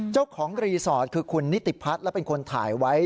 เจ้าของรีสอร์ทคือคุณนิติพัฒน์และเป็นคนถ่ายไว้